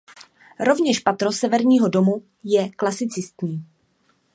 Rovněž patro severního domu je klasicistní.